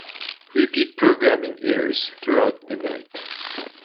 Repeat programming airs throughout the night.